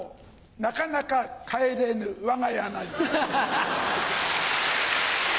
なかなか帰れぬ我が家なり。